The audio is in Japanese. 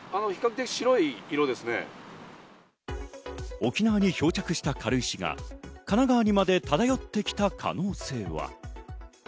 沖縄に漂着した軽石が神奈川にまで漂ってきた可能性は？